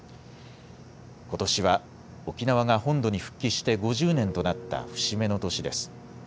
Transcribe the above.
ことしは沖縄が本土に復帰して５０年となった節目の年です。